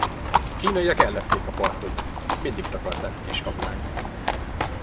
A kínaiak ellepték a partot, mindig takarták a Kis Hableányt.